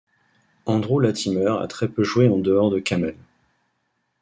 Andrew Latimer a très peu joué en dehors de Camel.